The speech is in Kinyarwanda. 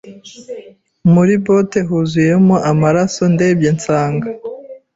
muri bote huzuyemo amaraso ndebye nsanga